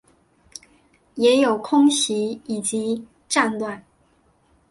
也有空袭以及战乱